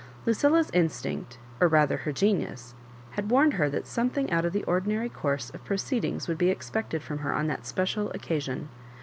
Lucilla's instinct, or rather her genius, had warned her that something out of the ordinary course of proceedings would be ex pected from her on that special occasion.